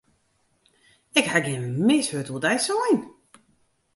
Ik haw gjin mis wurd oer dy sein.